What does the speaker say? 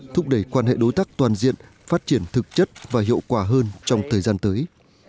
thúc đẩy quan hệ đối tác toàn diện phát triển thực chất và hiệu quả hơn trong thời gian tới